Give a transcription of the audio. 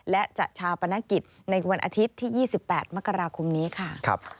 และจะชาปนกิจในวันอาทิตย์ที่๒๘มกราคมนี้ค่ะ